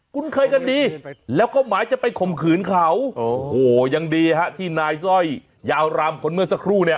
คุณเคยกันดีแล้วก็หมายจะไปข่มขืนเขาโอ้โหยังดีฮะที่นายสร้อยยาวรำคนเมื่อสักครู่เนี่ย